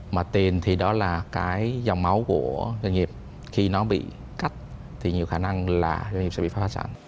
mà tiền thì đó là cái dòng máu của doanh nghiệp khi nó bị cắt thì nhiều khả năng là doanh nghiệp sẽ bị phá sản